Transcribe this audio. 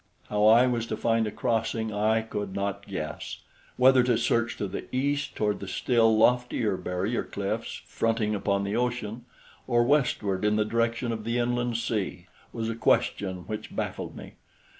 How I was to find a crossing I could not guess. Whether to search to the east toward the still loftier barrier cliffs fronting upon the ocean, or westward in the direction of the inland sea was a question which baffled me.